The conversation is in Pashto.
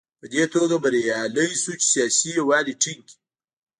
په دې توګه بریالی شو چې سیاسي یووالی ټینګ کړي.